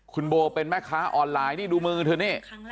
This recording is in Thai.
คุณโบเป็นแม่ค้าออนไลน์นี่ดูมือเธอนี่